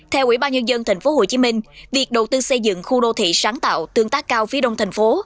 theo ubnd tp hcm việc đầu tư xây dựng khu đô thị sáng tạo tương tác cao phía đông thành phố